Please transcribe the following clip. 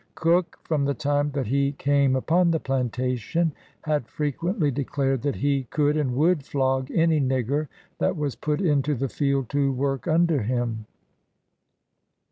'* Cook, from the time that he came upon the plantation, had frequently declared that he could and would flog any nigger that was put into the field to work under him.